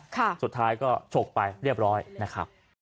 สุดท้ายก็ฉกไปเรียบร้อยนะครับ